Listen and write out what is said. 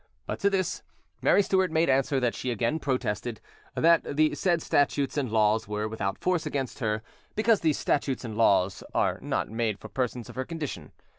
But to this Mary Stuart made answer that she again protested; that the said statutes and laws were without force against her, because these statutes and laws are not made for persons of her condition.